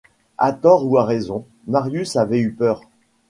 À tort ou à raison, Marius avait eu peur.